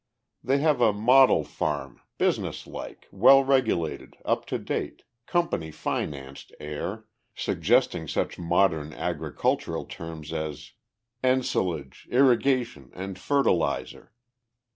They have a model farm, business like, well regulated, up to date, company financed air, suggesting such modern agricultural terms as "ensilage," "irrigation" and "fertilizer."